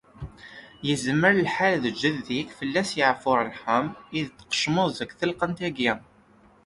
Yezmer lḥal d jeddi-k, fell-as yeɛfu yerḥem, i d-tqecmeḍ seg telqent-agi.